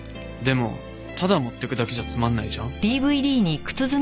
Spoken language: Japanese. でもただ持ってくだけじゃつまんないじゃん。